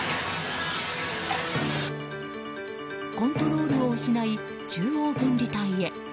コントロールを失い中央分離帯へ。